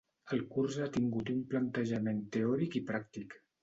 El curs ha tingut un plantejament teòric i pràctic.